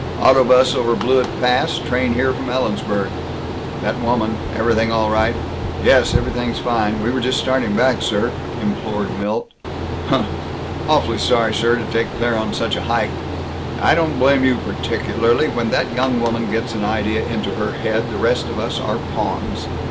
"Auto 'bus over Blewett Pass, train here from Ellensburg. That woman everything all right?" "Yes, everything's fine. We were just starting back, sir," implored Milt. "Huh!" "Awfully sorry, sir, to take Claire on such a hike " "I don't blame you particularly. When that young woman gets an idea into her head, the rest of us are pawns.